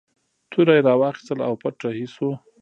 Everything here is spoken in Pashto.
توره یې راواخیستله او پټ رهي شو.